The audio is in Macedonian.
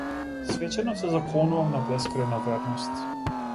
Свечено се заколнувам на бескрајна верност.